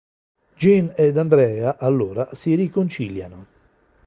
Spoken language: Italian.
Jean ed Andrea, allora, si riconciliano.